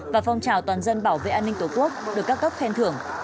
và phong trào toàn dân bảo vệ an ninh tổ quốc được các cấp khen thưởng